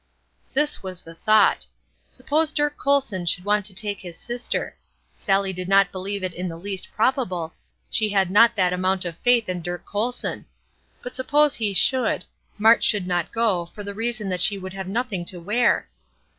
This was the thought: Suppose Dirk Colson should want to take his sister. Sallie did not believe it in the least probable; she had not that amount of faith in Dirk Colson; but suppose he should, Mart could not go, for the reason that she would have nothing to wear.